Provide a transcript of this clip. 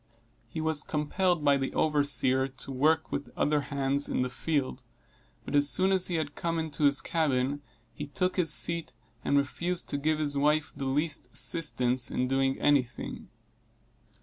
He was compelled by the overseer to work, with the other hands, in the field, but as soon as he had come into his cabin, he took his seat, and refused to give his wife the least assistance in doing any thing.